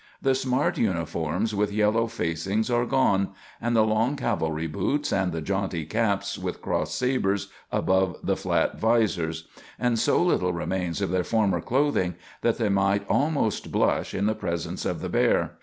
The smart uniforms with yellow facings are gone, and the long cavalry boots, and the jaunty caps with cross sabers above the flat vizors; and so little remains of their former clothing that they might almost blush in the presence of the bear.